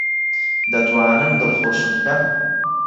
دەتوانن دڵخۆشم بکەن؟